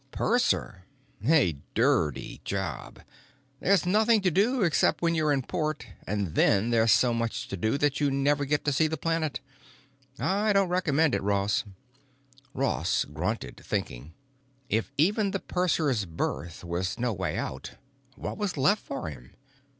"Purser? A dirty job. There's nothing to do except when you're in port, and then there's so much to do that you never get to see the planet. I don't recommend it, Ross." Ross grunted, thinking. If even the purser's berth was no way out, what was left for him?